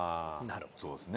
そうですね。